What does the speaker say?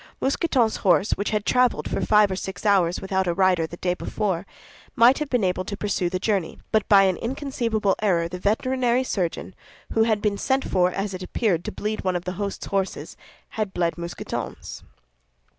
Mousqueton's horse which had traveled for five or six hours without a rider the day before, might have been able to pursue the journey; but by an inconceivable error the veterinary surgeon, who had been sent for, as it appeared, to bleed one of the host's horses, had bled Mousqueton's.